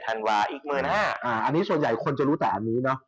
ธันวาอีก๑๕๐๐บาทอันนี้ส่วนใหญ่คนจะรู้แต่อันนี้เนอะ